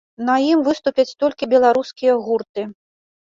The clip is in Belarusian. На ім выступяць толькі беларускія гурты.